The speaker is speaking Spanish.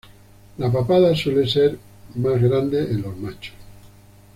La papada suele ser más grande en los machos.